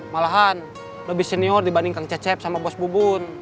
malahan lebih senior dibanding kang cecep sama bos bu bun